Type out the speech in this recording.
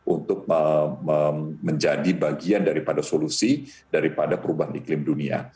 untuk menjadi bagian daripada solusi daripada perubahan iklim dunia